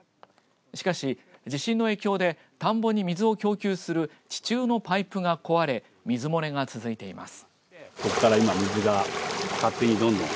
しかし、地震の影響で田んぼに水を供給する地中のパイプが壊れ水漏れが続いています。